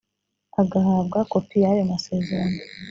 agahabwa kopi y ayo masezerano